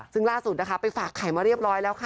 ซึ่งล่าสุดนะคะไปฝากไข่มาเรียบร้อยแล้วค่ะ